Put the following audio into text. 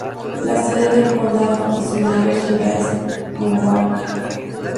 La sede del condado y su mayor ciudad es Norwalk.